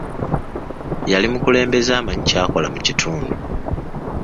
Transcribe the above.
Yali mukulembeze amanyi ky'akola mu kitundu.